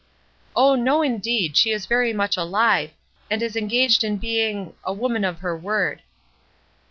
"Oh, no indeed, she is very much aUve, and is engaged in being —,' a woman of her word.'